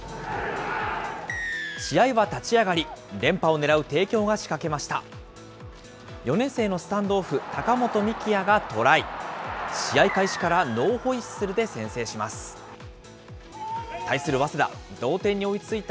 試合は立ち上がり、連覇を狙う帝京が仕掛けました。